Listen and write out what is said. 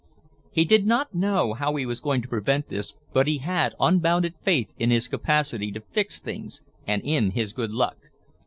He did not know how he was going to prevent this but he had unbounded faith in his capacity to fix things and in his good luck.